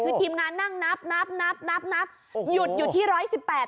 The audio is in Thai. คือทีมงานนั่งนับนับนับนับนับนับนับหยุดอยู่ที่ร้อยสิบแปด